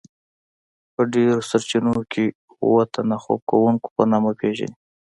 په ډیرو سرچینو کې اوه تنه خوب کوونکيو په نامه پیژني.